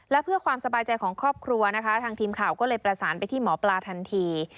และเพื่อความสบายใจของครอบครัวนะคะทางทีมข่าวก็เลยประสานไปที่หมอปลาทันที